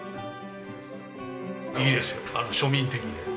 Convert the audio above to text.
いいですよ庶民的で。